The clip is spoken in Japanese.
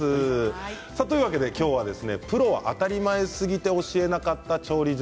今日はプロが当たり前すぎて教えなかった調理術